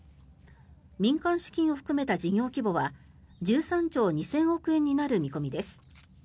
民間資金を含めた事業規模は１３兆２０００億円になる見込みです。